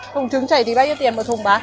thùng trứng chảy thì bao nhiêu tiền một thùng bán